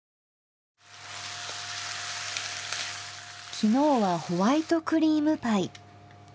昨日はホワイトクリームパイ。